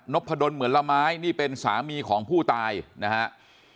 พะดนเหมือนละไม้นี่เป็นสามีของผู้ตายนะฮะ